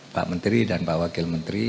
pak menteri dan pak wakil menteri